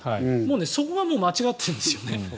そこがもう間違っているんですね。